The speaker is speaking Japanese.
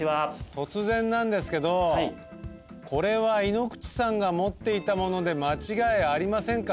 突然なんですけどこれは井ノ口さんが持っていたもので間違いありませんか？